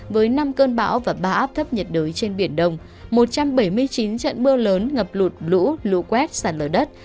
với năm cơn bão và ba áp thấp nhiệt đới trên biển đông một trăm bảy mươi chín trận mưa lớn ngập lụt lũ quét sạt lở đất